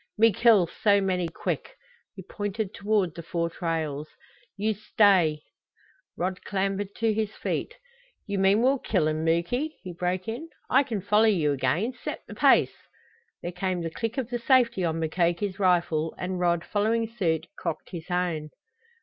"Me kill so many quick!" He pointed toward the four trails. "You stay " Rod clambered to his feet. "You mean we'll kill 'em, Muky," he broke in. "I can follow you again. Set the pace!" There came the click of the safety on Mukoki's rifle, and Rod, following suit, cocked his own.